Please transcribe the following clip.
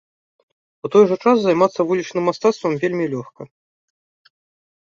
У той жа час займацца вулічным мастацтвам вельмі лёгка.